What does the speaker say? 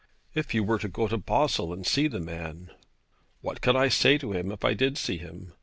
'If you were to go to Basle and see the man?' 'What could I say to him, if I did see him?